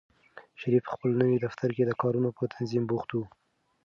شریف په خپل نوي دفتر کې د کارونو په تنظیم بوخت و.